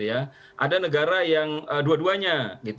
ada negara yang dua duanya